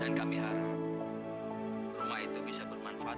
dan kami harap rumah itu bisa bermanfaat